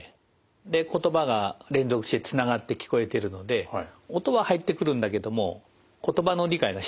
で言葉が連続してつながって聞こえてるので音は入ってくるんだけども言葉の理解がしにくくなってるんですよね。